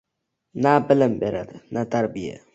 Na bilim beradi, na tarbiya.